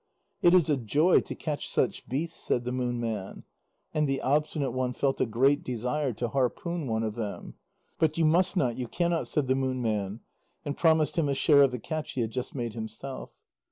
"It is a joy to catch such beasts," said the Moon Man, and the Obstinate One felt a great desire to harpoon one of them. "But you must not, you cannot," said the Moon Man, and promised him a share of the catch he had just made himself.